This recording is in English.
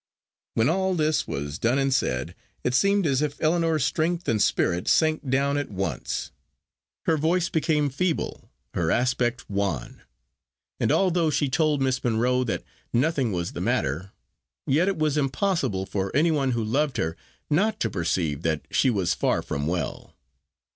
When all this was done and said, it seemed as if Ellinor's strength and spirit sank down at once. Her voice became feeble, her aspect wan; and although she told Miss Monro that nothing was the matter, yet it was impossible for any one who loved her not to perceive that she was far from well.